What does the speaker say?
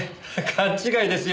勘違いですよ。